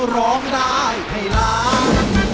ร้องได้ให้ล้าน